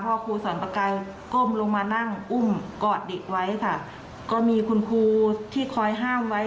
ครูสอนประกายก้มลงมานั่งอุ้มกอดเด็กไว้ค่ะก็มีคุณครูที่คอยห้ามไว้